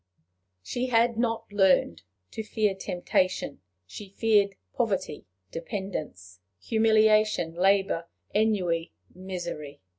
She had not learned to fear temptation; she feared poverty, dependence, humiliation, labor, ennui, misery.